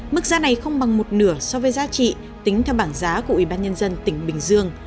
mức giá này không bằng một nửa so với giá trị tính theo bảng giá của ủy ban nhân dân tỉnh bình dương